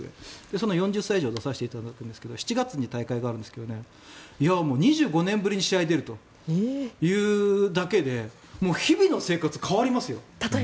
その４０歳以上に出させていただくんですが７月に大会があるんですが２５年ぶりに試合に出るというだけで日々の生活が変わりますよ。